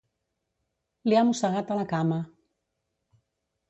Li ha mossegat a la cama